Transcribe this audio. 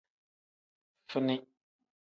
Fini.